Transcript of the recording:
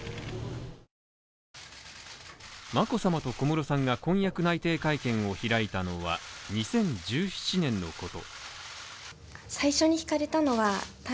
眞子さまと小室さんが婚約内定会見を開いたのは２０１７年のこと。